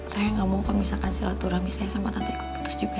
saya nggak mau komisahkan silaturahmi saya sama tante ikut putus juga